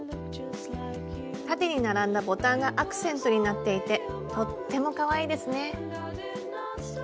縦に並んだボタンがアクセントになっていてとってもかわいいですね。